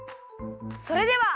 それでは。